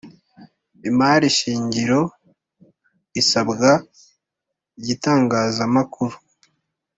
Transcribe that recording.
Imari shingiro isabwa igitangazamakuru